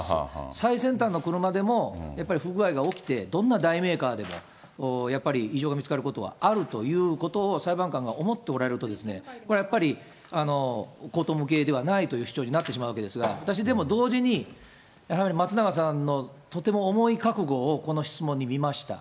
最先端の車でもやっぱり不具合が起きて、どんな大メーカーでも、やっぱり異常が見つかることがあるということを、裁判官が思っておられると、これやっぱり、荒唐無稽ではないという主張になってしまうわけですが、私でも、同時にやはり松永さんのとても重い覚悟をこの質問に見ました。